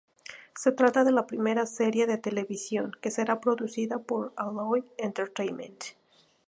Se trata de la primera serie de televisión, que será producida por Alloy Entertainment.